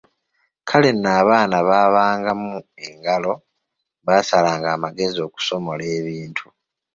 Kale nno abaana abaabangamu engalo, baasalanga amagezi okusomola ebintu.